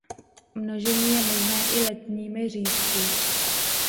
Množení je možné i letními řízky.